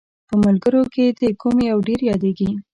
په ملګرو کې دې کوم یو ډېر یادیږي؟